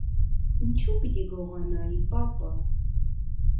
- Ինչո՞ւ պիտի գողանայի, պապա: